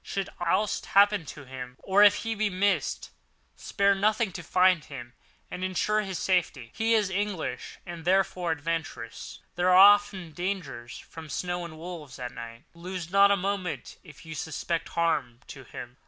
Should aught happen to him, or if he be missed, spare nothing to find him and ensure his safety. He is English and therefore adventurous. There are often dangers from snow and wolves and night. Lose not a moment if you suspect harm to him.